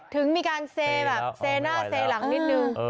ถึงมีการเซแบบเซหน้าเซหลังนิดนึง